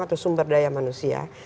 atau sumber daya manusia